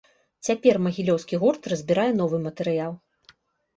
Цяпер магілёўскі гурт разбірае новы матэрыял.